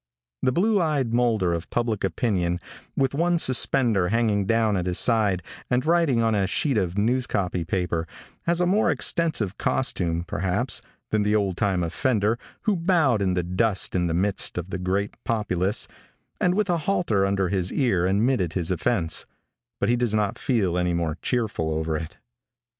The blue eyed moulder of public opinion, with one suspender hanging down at his side, and writing on a sheet of news copy paper, has a more extensive costume, perhaps, than the old time offender who bowed in the dust in the midst of the great populace, and with a halter under his ear admitted his offense, but he does not feel any more cheerful over it.